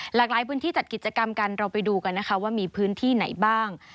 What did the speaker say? หลากหลายพื้นที่จัดกิจกรรมกันเราไปดูกันนะคะว่ามีพื้นที่ไหนบ้าง